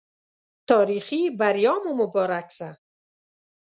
تاريخي بریا مو مبارک سه